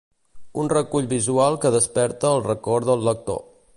Un recull visual que desperta el record del lector.